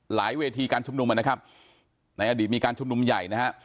เวทีการชุมนุมนะครับในอดีตมีการชุมนุมใหญ่นะฮะ